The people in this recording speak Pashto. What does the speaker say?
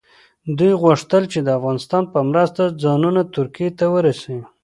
دوی غوښتل چې د افغانستان په مرسته ځانونه ترکیې ته ورسوي.